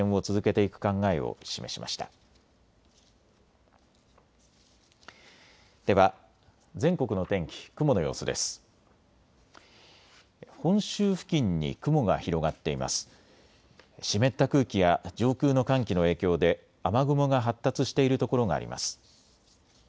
湿った空気や上空の寒気の影響で雨雲が発達しているところがあります。